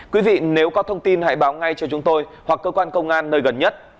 quý vị nếu có thông tin hãy báo ngay cho chúng tôi hoặc cơ quan công an nơi gần nhất